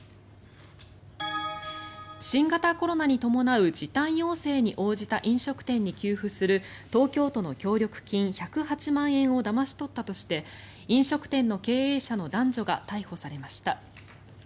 新型コロナに伴う時短要請に応じた飲食店に給付する東京都の協力金１０８万円をだまし取ったとして飲食店の経営者の男女が逮捕されました。